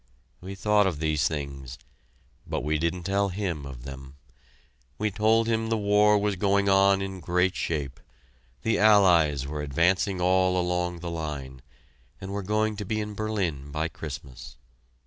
We thought of these things, but we didn't tell him of them. We told him the war was going on in great shape: the Allies were advancing all along the line, and were going to be in Berlin by Christmas.